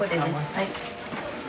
・はい。